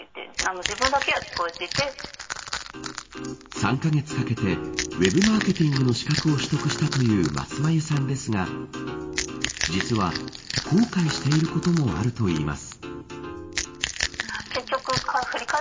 ３カ月かけてＷＥＢマーケティングの資格を取得したというますまゆさんですが実は後悔していることもあるといいます。